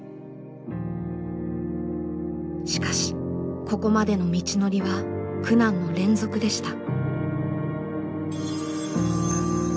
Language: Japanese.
しかしここまでの道のりは苦難の連続でした。